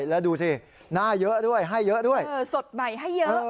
แล้วดูสิหน้าเยอะด้วยให้เยอะด้วยสดใหม่ให้เยอะ